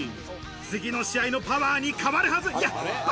次の試合のパワーに変わるはず。